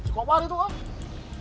cukup apaan itu om